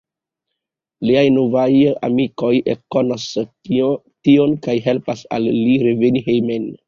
Liaj novaj amikoj ekkonas tion kaj helpas al li reveni hejmen.